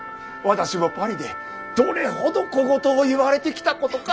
私もパリでどれほど小言を言われてきたことか。